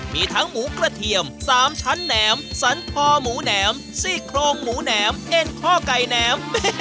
มีทั้งหมูกระเทียม๓ชั้นแหนมสันคอหมูแหนมซี่โครงหมูแหนมเอ็นข้อไก่แหนม